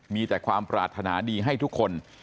มีแต่ความปรารถนาดีให้ทุกคน